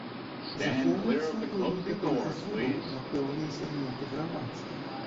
Захоўваецца ўплыў некаторых асобаў на пэўныя сегменты грамадства.